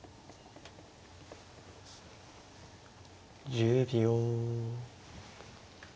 １０秒。